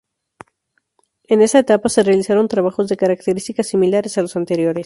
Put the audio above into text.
En esta etapa, se realizaron trabajos de características similares a las anteriores.